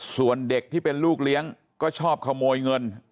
ส่วนเด็กที่เป็นลูกเลี้ยงก็ชอบขโมยเงิน